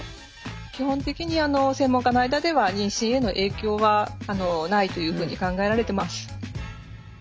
基本的に専門家の間では妊娠への影響はないというふうに考えられてます。